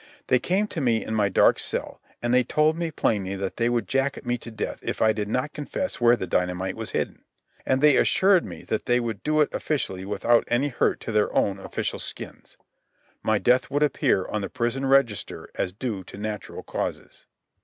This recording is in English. They came to me in my dark cell, and they told me plainly that they would jacket me to death if I did not confess where the dynamite was hidden. And they assured me that they would do it officially without any hurt to their own official skins. My death would appear on the prison register as due to natural causes.